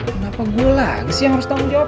kenapa gue lagi yang harus tanggung jawab